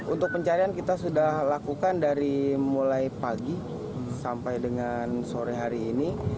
untuk pencarian kita sudah lakukan dari mulai pagi sampai dengan sore hari ini